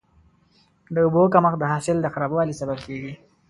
د اوبو کمښت د حاصل د خرابوالي سبب کېږي.